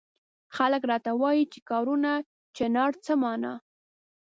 خلک راته وایي چي کاروانه چنار څه مانا؟